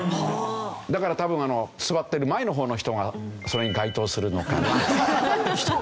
だから多分座ってる前の方の人がそれに該当するのかなと。